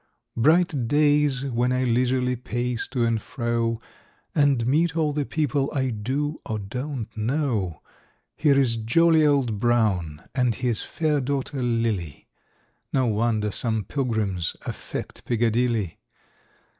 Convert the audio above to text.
Bright days, when I leisurely pace to and fro, And meet all the people I do or don't know. Here is jolly old Brown, and his fair daughter Lillie;— No wonder some pilgrims affect Piccadilly!